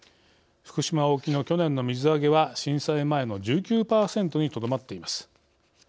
福島沖の去年の水揚げは震災前の１９％にとどまっています。